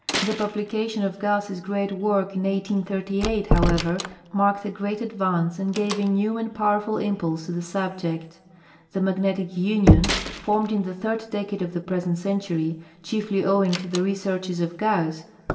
The publication of Gauss' great work in 1838, however, marked a great ad vance and gave a new and powerful impulse to the subject. The Mag netic Union, fonned in the third decade of the present century, chiefly owing to the researches of Gauss, cau.